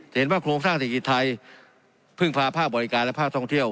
เห็นว่าโครงสร้างเศรษฐกิจไทยพึ่งพาภาคบริการและภาคท่องเที่ยว